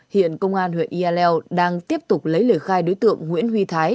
hiện công an huyện yadrang đang tiếp tục lấy lời khai đối tượng nguyễn huy thái